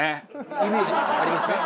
イメージありますね。